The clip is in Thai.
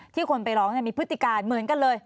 ที่คนไปร้องเนี่ยมีพฤติกาศเหมือนกันเลย